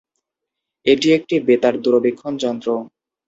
এটি একটি বেতার দূরবীক্ষণ যন্ত্র।